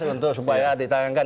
untuk supaya ditayangkan